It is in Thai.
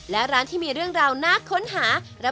และร้านที่มีเรื่องราวน่าค้นหา